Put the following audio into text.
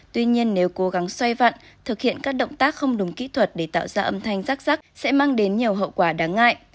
tuy nhiên nếu cố gắng xoay vặn thực hiện các động tác không đúng kỹ thuật để tạo ra âm thanh rắc rắc sẽ mang đến nhiều hậu quả đáng ngại